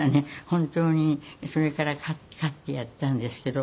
本当にそれから飼ってやったんですけど。